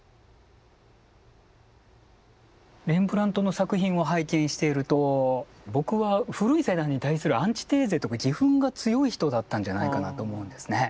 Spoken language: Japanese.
レンブラントの作品を拝見していると僕は古い世代に対するアンチテーゼとか義憤が強い人だったんじゃないかなと思うんですね。